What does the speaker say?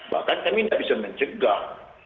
bahkan kami tidak bisa mencegah